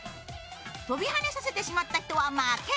飛び跳ねさせてしまった人は負け。